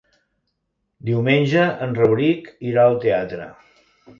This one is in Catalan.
Diumenge en Rauric irà al teatre.